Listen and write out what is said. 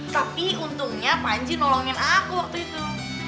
tapi untungnya panji nolongin aku waktu itu